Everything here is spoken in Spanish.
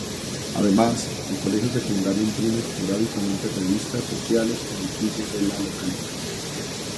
Además, el Colegio Secundario imprime esporádicamente revistas sociales con noticias de la localidad.